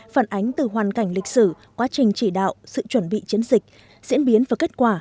phản ánh từ hoàn cảnh lịch sử quá trình chỉ đạo sự chuẩn bị chiến dịch diễn biến và kết quả